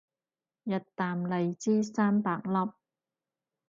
日啖荔枝三百顆